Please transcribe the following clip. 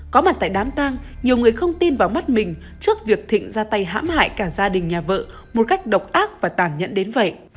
có mặt tại đám tang nhiều người không tin vào mắt mình trước việc thịnh ra tay hãm hại cả gia đình nhà vợ một cách độc ác và tàn nhẫn đến vậy